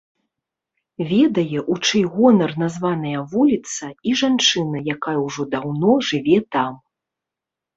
Ведае, у чый гонар названая вуліца, і жанчына, якая ўжо даўно жыве там.